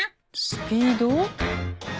スピード？